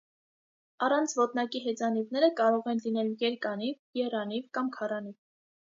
Առանց ոտնակի հեծանիվները կարող են լինել երկանիվ, եռանիվ կամ քառանիվ։